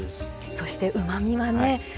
そしてうまみはね